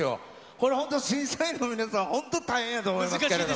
これ本当、審査員の皆さん、本当大変やと思いますけれども。